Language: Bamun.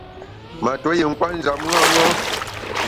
Ma tuo yin kwet njap ṅaṅâ.